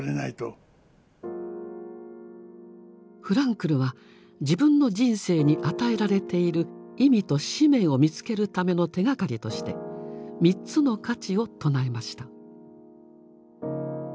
フランクルは自分の人生に与えられている意味と使命を見つけるための手がかりとして「三つの価値」を唱えました。